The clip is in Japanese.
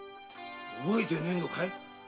覚えてねえのかい？